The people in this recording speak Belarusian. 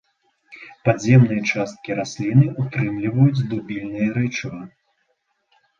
Падземныя часткі расліны ўтрымліваюць дубільныя рэчывы.